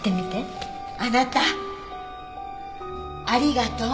あなたありがとう。